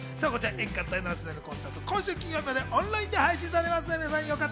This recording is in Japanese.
演歌第７世代のコンサートは今週金曜日までオンラインで配信されます。